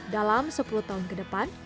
dalam sepuluh tahun ke depan